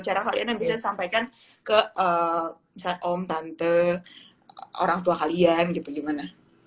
cara kalian yang bisa disampaikan ke misalnya om tante orang tua kalian gitu gimana